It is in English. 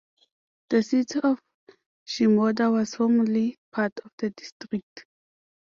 The city of Shimoda was formerly part of the district.